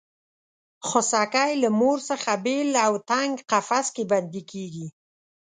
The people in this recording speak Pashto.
خوسکی له مور څخه بېل او تنګ قفس کې بندي کېږي.